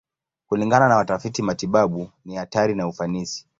Kulingana na watafiti matibabu, ni hatari na ufanisi.